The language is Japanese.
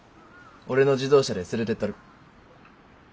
俺の自動車で連れてったる。